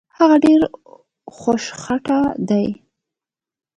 هغه ډېرې خوشخطه دي